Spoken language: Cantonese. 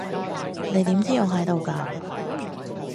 你點知我喺度㗎？